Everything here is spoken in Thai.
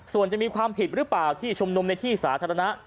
ส่วนจะมีความผิดหรือเปล่าที่ชุมนุมในที่สาธารณะ